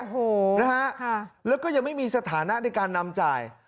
โอ้โหนะฮะแล้วก็ยังไม่มีสถานะในการนำจ่าย